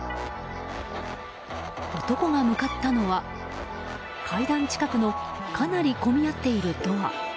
男が向かったのは階段近くのかなり混み合っているドア。